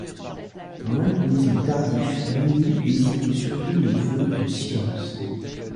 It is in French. Dans l'hindouisme tardif muni désigne surtout le vœu de silence.